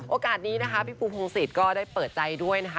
โอกาสนี้นะคะพี่ปูพงศิษย์ก็ได้เปิดใจด้วยนะคะ